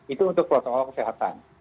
itu untuk protokol kesehatan